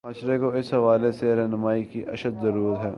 معاشرے کو اس حوالے سے راہنمائی کی اشد ضرورت ہے۔